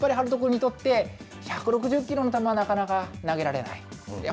ただやっぱり遥斗君にとって、１６０キロの球はなかなか投げられない。